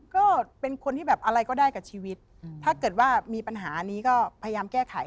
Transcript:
ก็เป็นคนที่แบบอะไรก็ได้กับชีวิตถ้าเกิดว่ามีปัญหานี้ก็พยายามแก้ไข